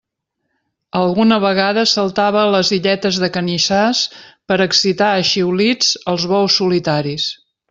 Alguna vegada saltava a les illetes de canyissars per a excitar a xiulits els bous solitaris.